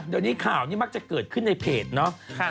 เดี๋ยวนี้ข่าวนี้มักจะเกิดขึ้นในเพจเนาะ